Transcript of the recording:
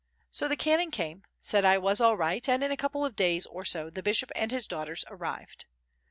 So the canon came, said I was all right and in a couple of days or so the bishop and his daughters arrived.